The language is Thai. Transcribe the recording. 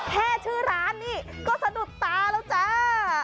แค่ชื่อร้านนี่ก็สะดุดตาแล้วจ้า